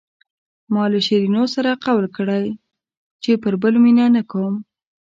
ما له شیرینو سره قول کړی چې پر بل مینه نه کوم.